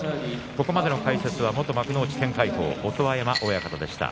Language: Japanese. ここまでの解説は元幕内天鎧鵬音羽山親方でした。